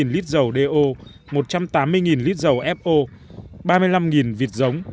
bốn trăm tám mươi lít dầu do một trăm tám mươi lít dầu fo ba mươi năm vịt giống